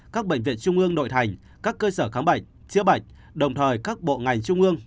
các bệnh viện trung ương nội thành các cơ sở khám bệnh chữa bệnh đồng thời các bộ ngành trung ương